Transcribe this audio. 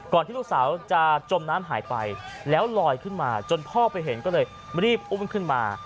ที่ลูกสาวจะจมน้ำหายไปแล้วลอยขึ้นมาจนพ่อไปเห็นก็เลยรีบอุ้มขึ้นมา